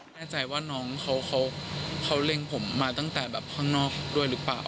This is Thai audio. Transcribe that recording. แน่ใจว่าน้องเขาเล็งผมมาตั้งแต่แบบข้างนอกด้วยหรือเปล่า